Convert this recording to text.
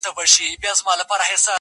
پر حقیقت به سترگي وگنډي خو,